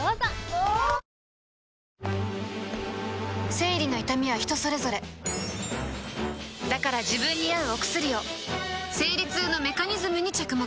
生理の痛みは人それぞれだから自分に合うお薬を生理痛のメカニズムに着目